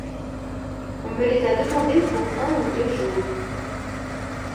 On me les a demandées pour un ou deux jours.